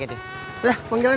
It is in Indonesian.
udah bang jalan